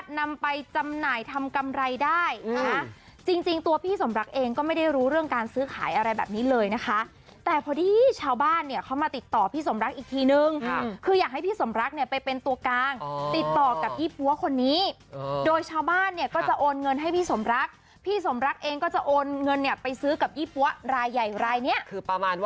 นำไปจำหน่ายทำกำไรได้นะจริงตัวพี่สมรักเองก็ไม่ได้รู้เรื่องการซื้อขายอะไรแบบนี้เลยนะคะแต่พอดีชาวบ้านเนี่ยเขามาติดต่อพี่สมรักอีกทีนึงคืออยากให้พี่สมรักเนี่ยไปเป็นตัวกลางติดต่อกับยี่ปั๊วคนนี้โดยชาวบ้านเนี่ยก็จะโอนเงินให้พี่สมรักพี่สมรักเองก็จะโอนเงินเนี่ยไปซื้อกับยี่ปั๊วรายใหญ่รายเนี้ยคือประมาณว